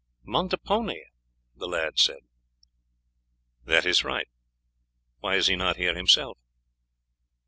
"Montepone," the lad said. "That is right. Why is he not here himself?"